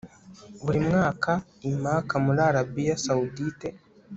buri mwaka, i maka muri arabiya sawudite